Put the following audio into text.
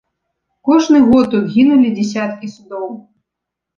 Кожны год тут гінулі дзясяткі судоў.